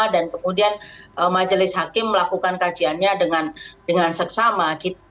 dan kemudian majelis hakim melakukan kajiannya dengan seksama